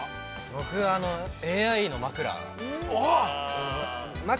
◆僕、ＡＩの枕。